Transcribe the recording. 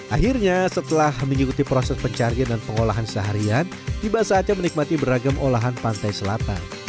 akhirnya setelah mengikuti proses pencarian dan pengolahan seharian tiba saatnya menikmati beragam olahan pantai selatan